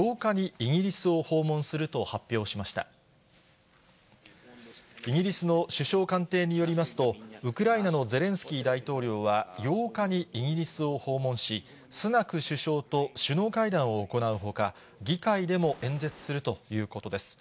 イギリスの首相官邸によりますと、ウクライナのゼレンスキー大統領は８日にイギリスを訪問し、スナク首相と首脳会談を行うほか、議会でも演説するということです。